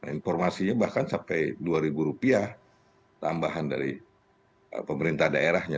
informasinya bahkan sampai dua ribu rupiah tambahan dari pemerintah daerahnya